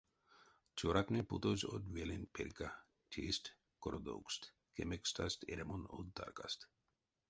Цёратне путозь од веленть перька тейсть кородовкст, кемекстасть эрямонь од таркаст.